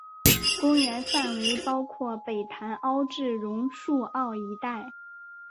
公园范围包括北潭凹至榕树澳一带。